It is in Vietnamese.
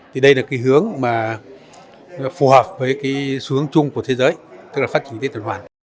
thì đây là cái hướng mà phù hợp với cái xu hướng chung của thế giới tức là phát triển kinh tế toàn hoàn